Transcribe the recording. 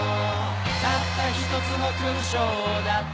たった一つの勲章だって